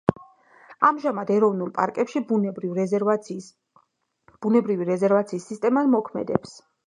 ამჟამად, ეროვნულ პარკებში, ბუნებრივ რეზერვაციის სისტემა მოქმედებს.